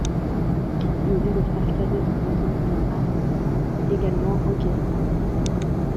Il est le frère cadet de Reto von Arx, également hockeyeur.